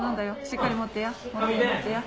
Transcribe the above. しっかり持ってや。